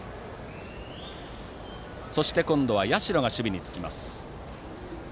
そして今度は社が守備につきます。